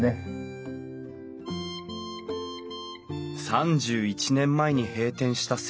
３１年前に閉店した銭湯。